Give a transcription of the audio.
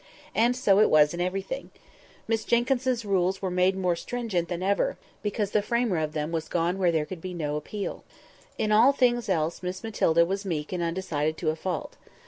And so it was in everything. Miss Jenkyns's rules were made more stringent than ever, because the framer of them was gone where there could be no appeal. In all things else Miss Matilda was meek and undecided to a fault.